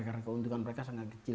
karena keuntungan mereka sangat kecil